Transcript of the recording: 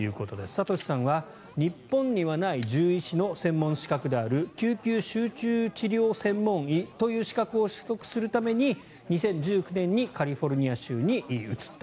サトシさんは日本にはない獣医師の専門資格である救急・集中治療専門医という資格を取得するために２０１９年にカリフォルニア州に移った。